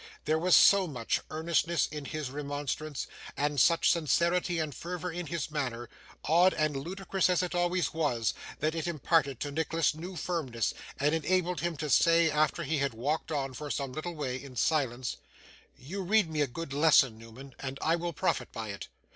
There was so much earnestness in his remonstrance, and such sincerity and fervour in his manner, odd and ludicrous as it always was, that it imparted to Nicholas new firmness, and enabled him to say, after he had walked on for some little way in silence: 'You read me a good lesson, Newman, and I will profit by it.